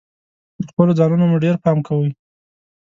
پر خپلو ځانونو مو ډیر پام کوﺉ .